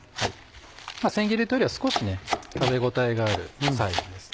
千切りというよりは少し食べ応えがあるサイズですね。